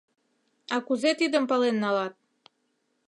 — А кузе тидым пален налат?